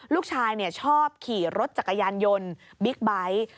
ลูกชายชอบขี่รถจักรยานยนต์บิ๊กไบท์